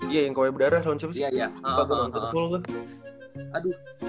iya yang kawhi berdarah lawan siapa sih